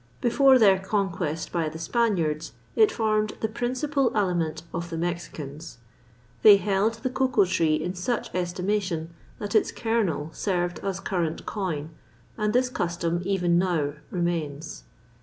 Before their conquest by the Spaniards, it formed the principal aliment of the Mexicans. They held the cocoa tree in such estimation, that its kernel served as current coin, and this custom even now remains."